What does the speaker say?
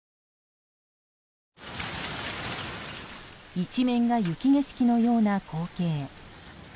一面が雪景色のような光景。